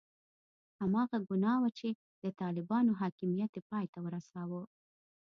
هماغه ګناه وه چې د طالبانو حاکمیت یې پای ته ورساوه.